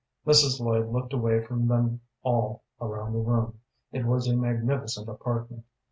Mrs. Lloyd looked away from them all around the room. It was a magnificent apartment.